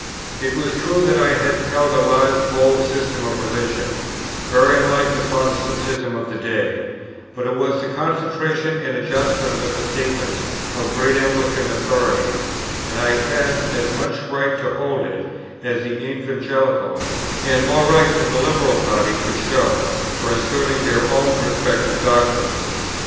It was true that I held a large bold system of religion, very unlike the Protestantism of the day, but it was the concentration and adjustment of the statements of great Anglican authorities, and I had as much right to hold it, as the Evangelical, and more right than the Liberal party could show, for asserting their own respective doctrines.